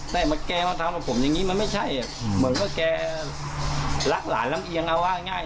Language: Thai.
แต่แกมาทำกับผมอย่างนี้มันไม่ใช่เหมือนว่าแกรักหลานลำเอียงเอาว่าง่าย